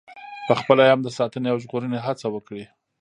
پخپله یې هم د ساتنې او ژغورنې هڅه وکړي.